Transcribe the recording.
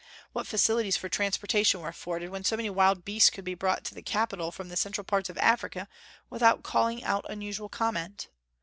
What facilities for transportation were afforded, when so many wild beasts could be brought to the capitol from the central parts of Africa without calling out unusual comment!